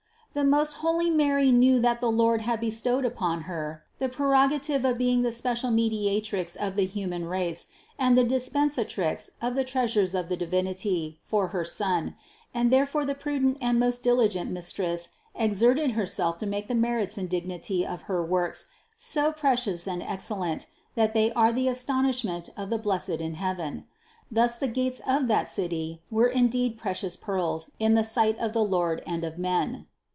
The most holy Mary knew that the Lord had bestowed upon Her the preroga tive of being the special Mediatrix of the human race and the Dispensatrix of the treasures of the Divinity for her Son; and therefore the prudent and most diligent THE CONCEPTION 241 Mistress exerted Herself to make the merits and dignity of her works so precious and excellent that they are the astonishment of the blessed in heaven. Thus the gates of that city were indeed precious pearls in the sight of the Lord and of men.